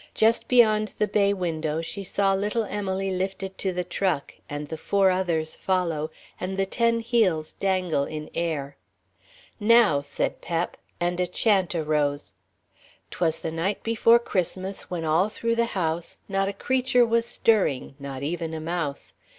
Just beyond the bay window she saw little Emily lifted to the truck and the four others follow, and the ten heels dangle in air. "Now!" said Pep. And a chant arose: "'Twas the night before Christmas when all through the house Not a creature was stirring, not even a mouse.